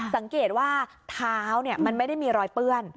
สังเกตว่าเท้ามันไม่ได้มีรอยเปื้อน